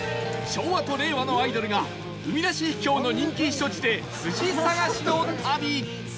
昭和と令和のアイドルが海なし秘境の人気避暑地で寿司探しの旅